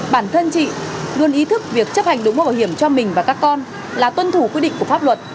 bản thân chị luôn ý thức việc chấp hành đúng mức bảo hiểm cho mình và các con là tuân thủ quy định của pháp luật